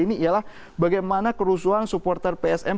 ini ialah bagaimana kerusuhan supporter psm